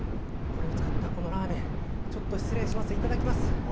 これを使ったこのラーメン、ちょっと失礼します、いただきます。